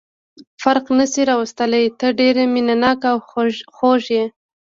فراق نه شي راوستلای، ته ډېر مینه ناک او خوږ یې.